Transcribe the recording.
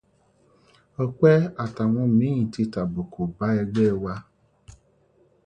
Ọpẹ́ àtàwọn míì ti tàbùkù bá ẹgbẹ́ wa.